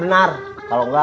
ken carriers ini saja